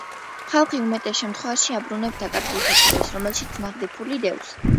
ხალხი უმეტეს შემთხვევაში აბრუნებს დაკარგულ საფულეს, რომელშიც ნაღდი ფული დევს.